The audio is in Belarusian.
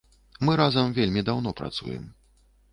Мы разам вельмі даўно працуем.